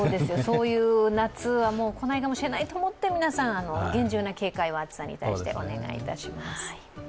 そういう夏は、もう来ないかもしれないと思って、皆さん、厳重な警戒を暑さに対してお願いいたします。